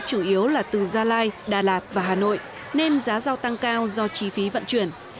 chủ yếu là từ gia lai đà lạt và hà nội nên giá rau tăng cao do chi phí vận chuyển